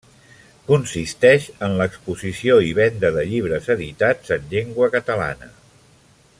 Consisteix en l'exposició i venda de llibres editats en llengua catalana.